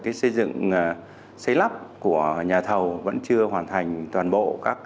cái xây dựng xây lắp của nhà thầu vẫn chưa hoàn thành toàn bộ